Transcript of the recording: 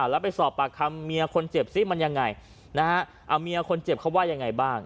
แล้วไปสอบปากคำเมียคนเจ็บซิมันยังไงนะฮะเอาเมียคนเจ็บเขาว่ายังไงบ้าง